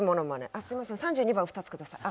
あっ、すみません、３２番２つください